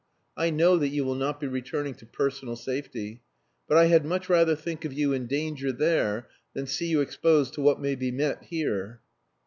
I know that you will not be returning to personal safety. But I had much rather think of you in danger there than see you exposed to what may be met here."